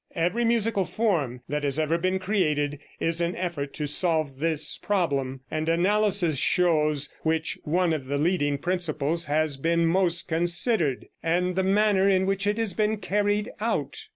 Every musical form that has ever been created is an effort to solve this problem; and analysis shows which one of the leading principles has been most considered, and the manner in which it has been carried out.